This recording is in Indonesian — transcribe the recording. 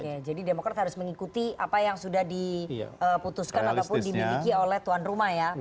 oke jadi demokrat harus mengikuti apa yang sudah diputuskan ataupun dimiliki oleh tuan rumah ya